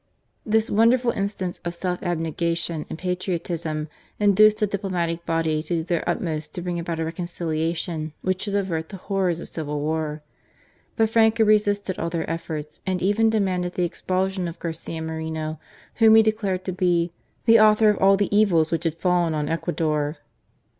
This wonderful instance of self abnegation and patriotism induced the Diplomatic body to do their utmost to bring about a reconciliation which should avert the horrors of civil war. But Franco resisted all their efforts, and even demanded the expulsion of Garcia Moreno, whom he declared to be " the author of all the evils which had fallen on Ecuador."